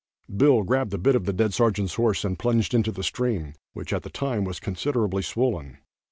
Bill grabbed the bit of the dead sergeant's horse and plunged into the stream, which at the time was considerably swollen.